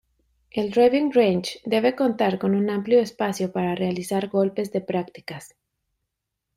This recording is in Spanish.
El driving range debe contar con un amplio espacio para realizar golpes de prácticas.